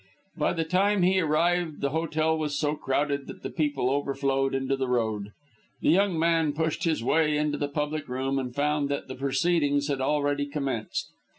By the time he arrived the hotel was so crowded that the people overflowed into the road. The young man pushed his way into the public room and found that the proceedings had already commenced.